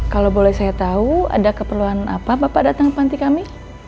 kalau boleh saya tahu ada keperluan apa bapak datang ke panti kami